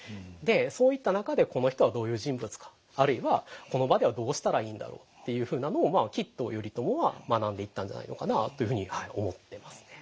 そういった中でこの人はどういう人物かあるいはこの場ではどうしたらいいんだろうっていうふうなのをきっと頼朝は学んでいったんじゃないのかなあというふうに思ってますね。